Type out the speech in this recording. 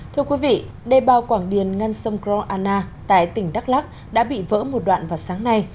thưa quý vị đê bao quảng điền ngăn sông kro anna tại tỉnh đắk lắc đã bị vỡ một đoạn vào sáng nay